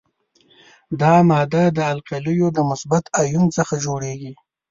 دا ماده د القلیو د مثبت آیون څخه جوړیږي.